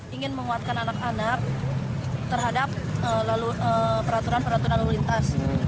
ingin menguatkan anak anak terhadap peraturan peraturan lalu lintas